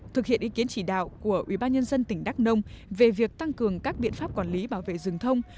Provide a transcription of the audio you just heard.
thực hiện ý kiến chỉ đạo của ubnd tỉnh đắk nông về việc tăng cường các biện pháp quản lý bảo vệ rừng thông